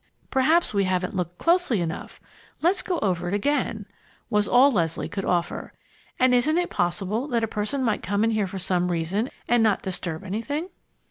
"Perhaps we haven't looked closely enough. Let's go over it again," was all Leslie could offer. "And isn't it possible that a person might come in here for some reason and not disturb anything?"